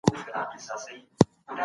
روښانتیا کله پیل سوه؟